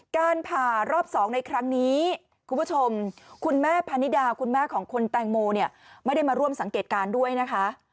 การผ่ารอบ๒ในครั้งนี้คุณผู้ชมคุณแม่พนิดาคุณแม่ของคุณแตงโมเนี่ยไม่ได้มาร่วมสังเกตการณ์ด้วยนะคะ